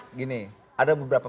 ya gini ada beberapa